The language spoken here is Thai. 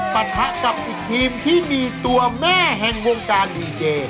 ปะทะกับอีกทีมที่มีตัวแม่แห่งวงการดีเจ